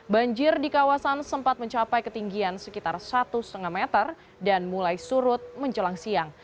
banjir di kawasan sempat mencapai ketinggian sekitar satu lima meter dan mulai surut menjelang siang